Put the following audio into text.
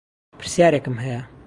پرسیارێکم هەیە